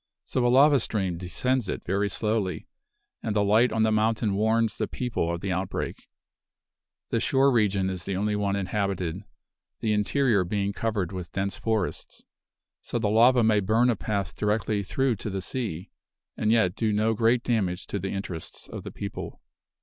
So a lava stream descends it very slowly; and the light on the mountain warns the people of the outbreak. The shore region is the only one inhabited, the interior being covered with dense forests. So the lava may burn a path directly through to the sea, and yet do no great damage to the interests of the people.